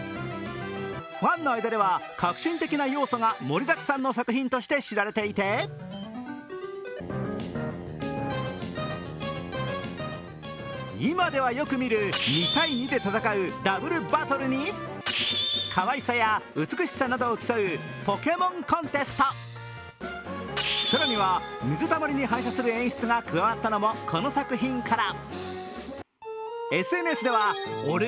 ファンの間では、革新的な要素が盛りだくさんの作品として知られていて、今ではよく見る２対２で戦うダブルバトルにかわいさや美しさなどを競うポケモンコンテスト、更には、水たまりに反射する演出が加わったのもこの作品から。